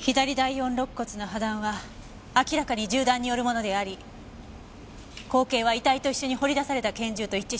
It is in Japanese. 左第四肋骨の破断は明らかに銃弾によるものであり口径は遺体と一緒に掘り出された拳銃と一致しました。